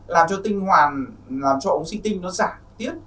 làm cho tinh hoàn làm cho oxytin nó giả tiết